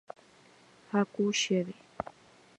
Haku chéve.